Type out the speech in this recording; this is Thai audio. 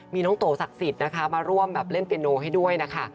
มีน้องโตศักดิ์สิทธิ์นะคะมาร่วมแบบเล่นเปียโนให้ด้วยนะคะ